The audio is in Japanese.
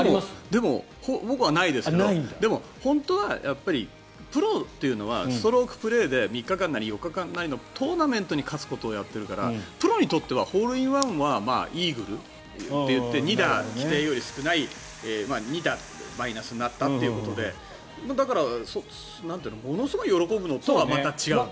僕はないですけどでも本当はプロというのはストロークプレーで３日間なり４日間なりのトーナメントに勝つためにやってるからプロにとってはホールインワンはイーグルといって２打、規定より少ない２打マイナスになったということでだから、ものすごい喜ぶのとはまた違う。